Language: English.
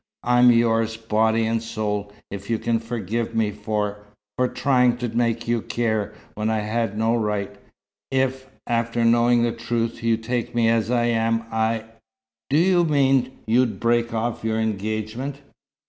I'm yours, body and soul. If you can forgive me for for trying to make you care, when I had no right if, after knowing the truth, you'll take me as I am, I " "Do you mean, you'd break off your engagement?"